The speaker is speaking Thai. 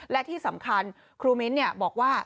และที่สำคัญครูมิ้นบอกว่า